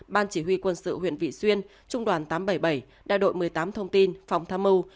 ban chỉ huy quân sự huyện vị xuyên trung đoàn tám trăm bảy mươi bảy đại đội một mươi tám thông tin phòng tham mưu